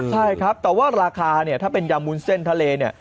ใช่ครับแต่ว่าราคาเนี่ยถ้าเป็นยำวุ้นเส้นทะเลเนี่ย